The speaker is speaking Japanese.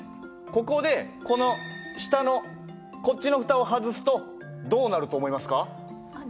ここでこの下のこっちのふたを外すとどうなると思いますか？